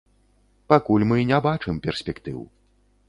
Пакуль мы не бачым перспектыў.